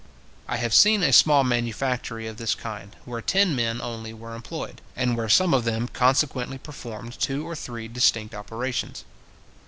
I have seen a small manufactory of this kind, where ten men only were employed, and where some of them consequently performed two or three distinct operations.